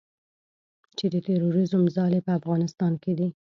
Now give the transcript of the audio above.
چې د تروریزم ځالې په افغانستان کې دي